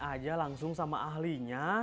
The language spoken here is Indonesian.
aja langsung sama ahlinya